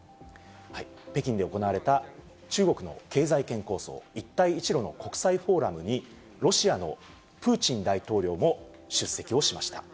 北京で行われた中国の経済圏構想、一帯一路の国際フォーラムに、ロシアのプーチン大統領も出席をしました。